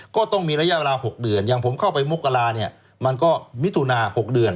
ก็ต้องมีระยะเวลา๖เดือนอย่างผมเข้าไปมกราเนี่ยมันก็มิถุนา๖เดือน